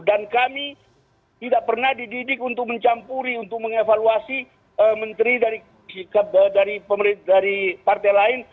dan kami tidak pernah dididik untuk mencampuri untuk mengevaluasi menteri dari partai lain